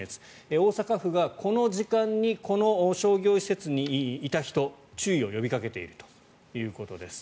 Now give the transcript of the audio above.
大阪府がこの時間にこの商業施設にいた人注意を呼びかけているということです。